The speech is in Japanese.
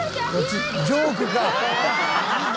ジョークか！